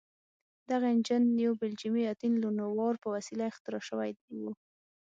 دغه انجن یو بلجیمي اتین لونوار په وسیله اختراع شوی و.